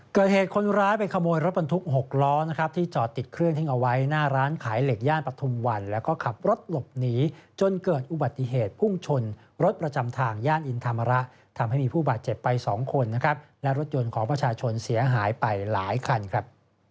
เกิดเหตุคนร้ายไปขโมยรถบรรทุก๖ล้อนะครับที่จอดติดเครื่องทิ้งเอาไว้หน้าร้านขายเหล็กย่านปฐุมวันแล้วก็ขับรถหลบหนีจนเกิดอุบัติเหตุพุ่งชนรถประจำทางย่านอินธรรมระทำให้มีผู้บาดเจ็บไป๒คนนะครับและรถยนต์ของประชาชนเสียหายไปหลายคันครับ